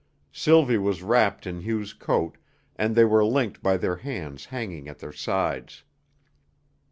Sylvie was wrapped in Hugh's coat, and they were linked by their hands hanging at their sides.